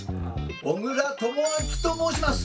小倉智昭と申します。